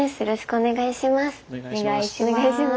お願いします。